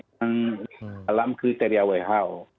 yang dalam kriteria who